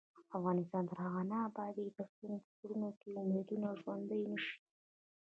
افغانستان تر هغو نه ابادیږي، ترڅو مو په زړونو کې امیدونه ژوندۍ نشي.